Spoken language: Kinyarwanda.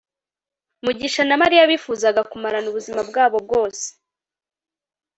mugisha na mariya bifuzaga kumarana ubuzima bwabo bwose